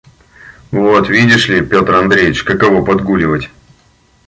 «Вот видишь ли, Петр Андреич, каково подгуливать.